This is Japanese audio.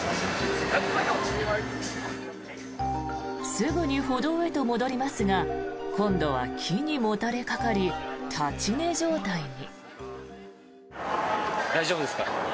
すぐに歩道へと戻りますが今度は木にもたれかかり立ち寝状態に。